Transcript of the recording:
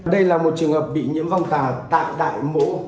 đây là một trường hợp bị nhiễm vong tà tạng đại mổ